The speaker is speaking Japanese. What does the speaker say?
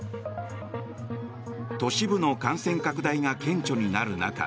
都市部の感染拡大が顕著になる中